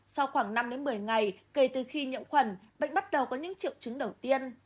sau khoảng năm đến một mươi ngày kể từ khi nhiễm khuẩn bệnh bắt đầu có những triệu chứng đầu tiên